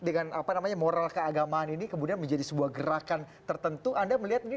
dengan apa namanya moral keagamaan ini kemudian menjadi sebuah gerakan tertentu anda melihat ini